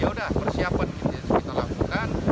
ya sudah persiapan kita lakukan